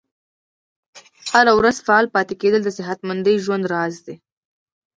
هره ورځ فعال پاتې کیدل د صحتمند ژوند راز دی.